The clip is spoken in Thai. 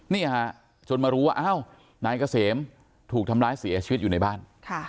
จนมารู้ว่าอ้าวนายเกษมถูกทำร้ายเสียชีวิตอยู่ในบ้าน